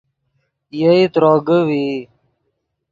یئے تروگے ڤئی